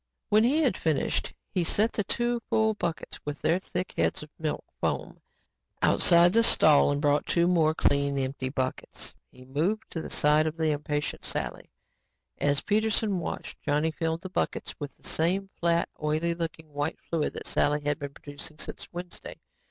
When he had finished, he set the two full buckets with their thick heads of milk foam, outside the stall and brought two more clean, empty buckets. He moved to the side of the impatient Sally. As Peterson watched, Johnny filled the buckets with the same, flat, oily looking white fluid that Sally had been producing since Wednesday.